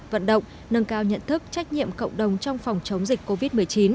vận động nâng cao nhận thức trách nhiệm cộng đồng trong phòng chống dịch covid một mươi chín